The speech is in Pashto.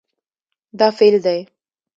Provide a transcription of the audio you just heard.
دا فعل دی